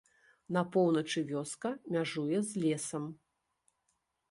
На поўначы вёска мяжуе з лесам.